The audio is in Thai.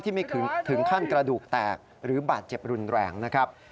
ไม่ถึงขั้นกระดูกแตกหรือบาดเจ็บรุนแรงนะครับ